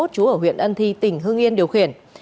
trú ở huyện ân thi tỉnh hưng yên điều khiển